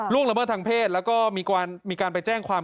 ละเมิดทางเพศแล้วก็มีการไปแจ้งความ